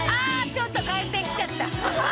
ちょっと回転きちゃった。